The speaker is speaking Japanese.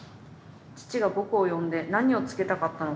父が僕を呼んで何を告げたかったのか